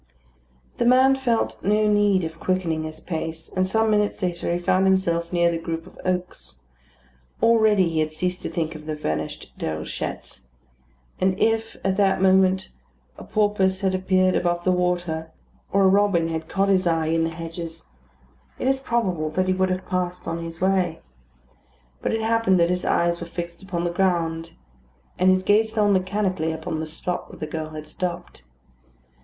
The man felt no need of quickening his pace; and some minutes later he found himself near the group of oaks. Already he had ceased to think of the vanished Déruchette; and if, at that moment, a porpoise had appeared above the water, or a robin had caught his eye in the hedges, it is probable that he would have passed on his way. But it happened that his eyes were fixed upon the ground; his gaze fell mechanically upon the spot where the girl had stopped.